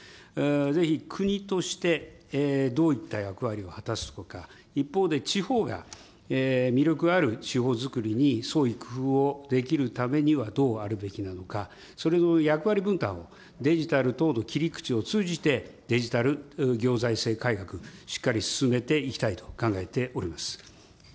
ぜひ、国としてどういった役割を果たすのか、一方で地方が魅力ある地方づくりに創意工夫をできるためには、どうあるべきなのか、それの役割分担を、デジタル等の切り口を通じて、デジタル行財政改革、しっかり進めていきたいと考えております。